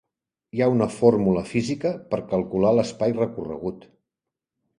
Hi ha una fórmula física per calcular l'espai recorregut.